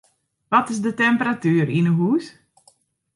Wat is de temperatuer yn 'e hûs?